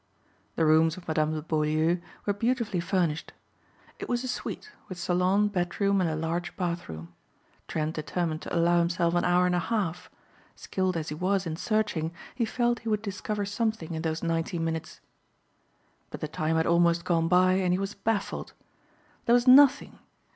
The rooms of Madame de Beaulieu were beautifully furnished. It was a suite, with salon, bedroom and a large bathroom. Trent determined to allow himself an hour and a half. Skilled as he was in searching he felt he would discover something in those ninety minutes. But the time had almost gone by and he was baffled. There was nothing.